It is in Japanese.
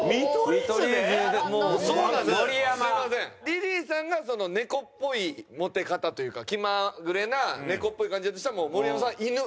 リリーさんが猫っぽいモテ方というか気まぐれな猫っぽい感じだとしたら盛山さんは犬。